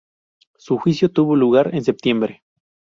Su juicio tuvo lugar en septiembre.